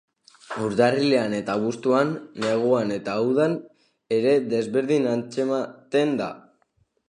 Urtarrilean eta abuztuan, neguan eta udan, ere desberdin antzematen da.